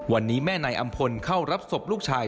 วันนี้แม่นายอำพลเข้ารับศพลูกชาย